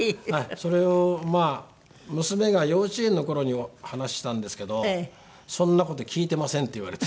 それをまあ娘が幼稚園の頃に話したんですけど「そんな事聞いてません」って言われて。